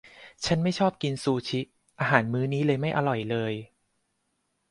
ฉันไม่ชอบกินซูชิ อาหารมื้อนี้เลยไม่อร่อยเลย